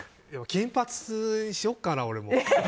金髪にしようかな、俺も。